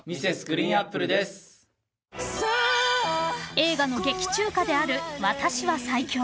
［映画の劇中歌である『私は最強』］